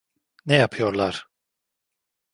Ne yapıyorlar?